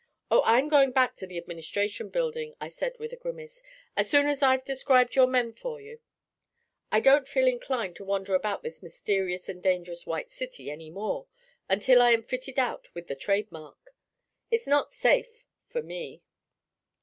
'Oh, I'm going back to the Administration Building,' I said with a grimace, 'as soon as I've described your men for you. I don't feel inclined to wander about this mysterious and dangerous White City any more until I am fitted out with a trade mark. It is not safe for me.'